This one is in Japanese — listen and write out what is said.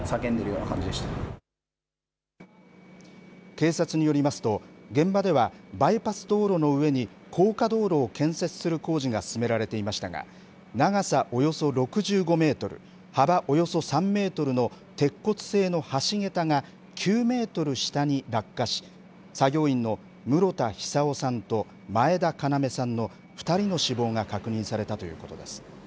警察によりますと、現場ではバイパス道路の上に高架道路を建設する工事が進められていましたが長さ、およそ６５メートル幅およそ３メートルの鉄骨製の橋桁が９メートル下に落下し作業員の室田久生さんと前田要さんの２人の死亡が確認されたということです。